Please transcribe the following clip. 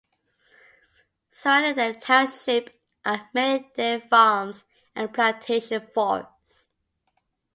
Surrounding the township are many dairy farms and plantation forests.